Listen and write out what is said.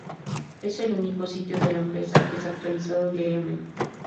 Es el único sitio de la empresa que es actualizado diariamente.